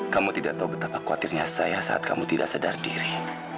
kamu tidak tahu betapa khawatirnya saya saat kamu tidak sadar diri